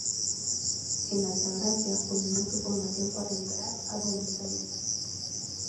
En Alta Gracia culminó su formación para emigrar a Buenos Aires.